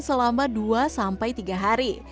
selama dua sampai tiga hari